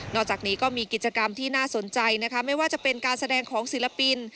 อกจากนี้ก็มีกิจกรรมที่น่าสนใจนะคะไม่ว่าจะเป็นการแสดงของศิลปิน